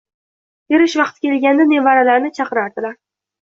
Terish vaqti kelganida nevaralarni chaqirardilar.